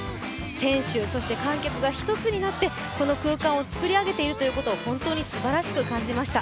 選手、そして観客が一つになってこの空間を作り上げているということを本当にすばらしく感じました。